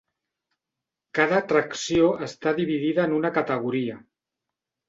Cada Atracció està dividida en una categoria.